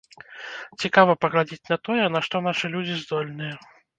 Цікава паглядзець на тое, на што нашы людзі здольныя.